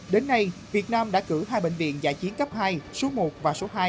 đến nay việt nam đã cử hai bệnh viện giã chiến cấp hai số một và số hai